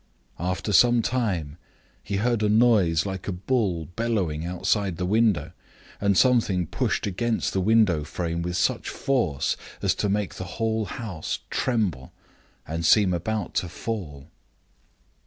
After some time, he heard a noise like a bull bellowing outside the window, and something pushed against the window frame with such force as to make the whole house tremble and seem about to fall.